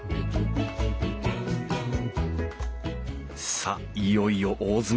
さっいよいよ大詰め。